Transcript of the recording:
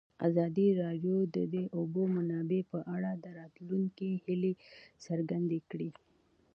ازادي راډیو د د اوبو منابع په اړه د راتلونکي هیلې څرګندې کړې.